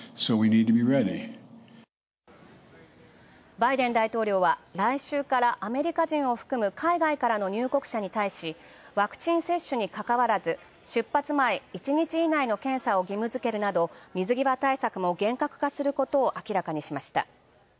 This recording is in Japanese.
バイデン大統領は来週からアメリカ人を含む海外からの入国者に対しワクチン接種にかかわらず、出発前１日以内の検査を義務付けるなど水際対策を厳格化することを明らかにしました。